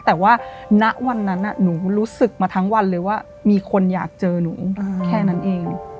แต่ว่าณวันนั้นหนูรู้สึกมาทั้งวันเลยว่ามีคนอยากเจอหนูแค่นั้นเอง